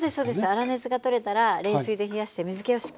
粗熱が取れたら冷水で冷やして水けをしっかり絞ってあげます。